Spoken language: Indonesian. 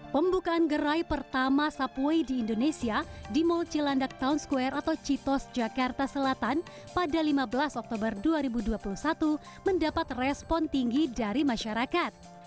pembukaan gerai pertama subway di indonesia di mall cilandak town square atau citos jakarta selatan pada lima belas oktober dua ribu dua puluh satu mendapat respon tinggi dari masyarakat